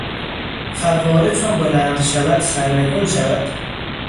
فواره چون بلند شود سرنگون شود.